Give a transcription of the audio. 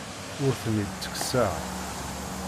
Ur ten-id-ttekkseɣ.